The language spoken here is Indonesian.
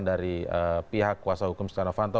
dari pihak kuasa hukum stiano vanto